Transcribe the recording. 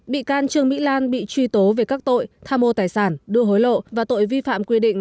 bị can trương mỹ lan bị truy tố về các tội tham mô tài sản đưa hối lộ và tội vi phạm quy định